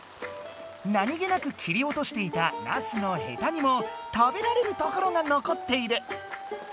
なにげなく切りおとしていたナスのヘタにも食べられるところがのこっている。